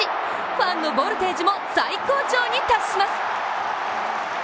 ファンのボルテージも最高潮に達します。